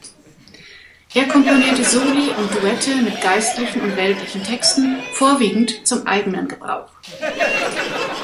Er komponierte Soli und Duette mit geistlichen und weltlichen Texten vorwiegend zum eigenen Gebrauch.